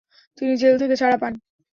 তিনি জেল থেকে ছাড়া পান।